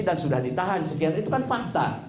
dan sudah ditahan sekian itu kan fakta